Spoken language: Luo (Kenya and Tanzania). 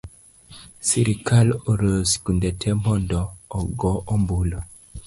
Sirikal oloro sikunde tee mondo ogoo ombulu